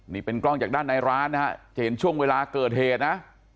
นี่เป็นกล้องจากด้านในร้านนะฮะจะเห็นช่วงเวลาเกิดเหตุนะ